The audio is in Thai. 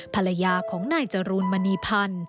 ภรรยาของนายจรูนมณีพันธ์